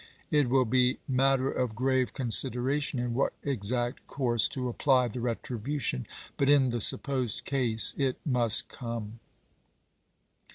It will be matter of grave consideration in what Abrahaiu exact coursc to apply the retribution ; but in the sup pp. 502, 503. posed case it must come.